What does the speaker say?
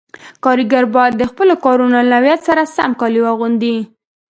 کاریګر باید د خپلو کارونو له نوعیت سره سم کالي واغوندي.